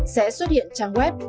sẽ xuất hiện trang web